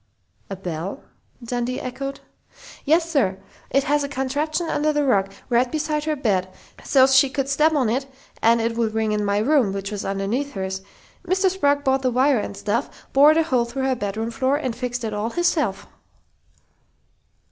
"A bell?" Dundee echoed. "Yes, sir. It has a contraption under the rug, right beside her bed, so's she could step on it and it would ring in my room, which was underneath hers.... Mr. Sprague bought the wire and stuff, bored a hole through her bedroom floor, and fixed it all hisself."